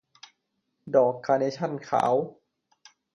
ดอกคาร์เนชั่นขาว